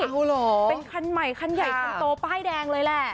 เอาเหรอเป็นคันใหม่คันใหญ่คันโตป้ายแดงเลยแหละ